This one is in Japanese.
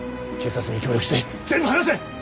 警察に協力して全部話せ！